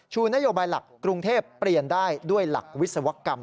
นโยบายหลักกรุงเทพเปลี่ยนได้ด้วยหลักวิศวกรรม